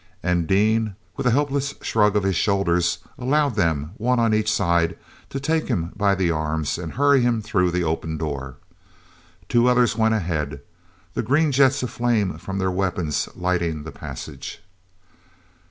And Dean, with a helpless shrug of his shoulders, allowed them, one on each side, to take him by the arms and hurry him through the open door. Two others went ahead, the green jets of flame from their weapons lighting the passage.